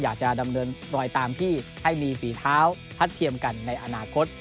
อยากจะดำเนินรอยตามที่ให้มีฝีเท้าทัดเทียมกันในอนาคต